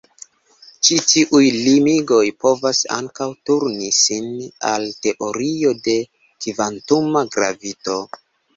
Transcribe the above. Ĉi tiuj limigoj povas ankaŭ turni sin al teorio de kvantuma gravito.